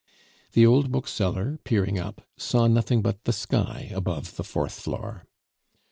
The old bookseller, peering up, saw nothing but the sky above the fourth floor.